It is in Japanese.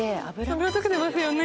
脂溶けてますよね。